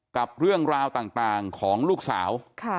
กับเรื่องราวต่างของลูกสาว